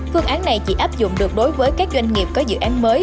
phương án này chỉ áp dụng được đối với các doanh nghiệp có dự án mới